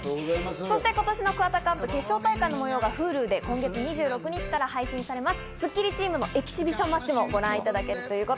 今年のＫＵＷＡＴＡＣＵＰ決勝大会の模様がＨｕｌｕで今月２６日から配信されます。